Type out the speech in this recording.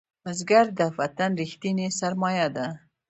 بزګر د وطن ریښتینی سرمایه ده